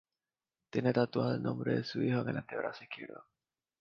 Tiene tatuado el nombre de su hijo en su antebrazo izquierdo.